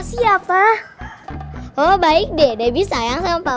tapi dulu endangku sama kang suha